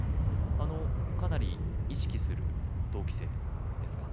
かなり意識する同期生ですか？